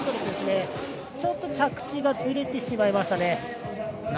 ９００ですね、ちょっと着地がずれてしまいましたね。